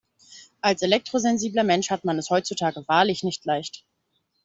Als elektrosensibler Mensch hat man es heutzutage wahrlich nicht leicht.